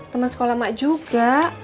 teman sekolah mak juga